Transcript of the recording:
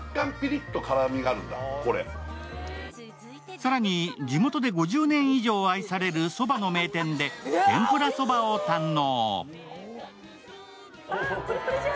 更に、地元で５０年以上愛されるそばの名店で天ぷらそばを堪能。